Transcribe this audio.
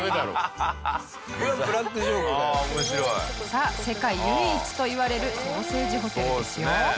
さあ世界唯一といわれるソーセージホテルですよ。